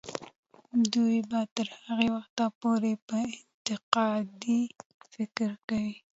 دوی به تر هغه وخته پورې انتقادي فکر کوي.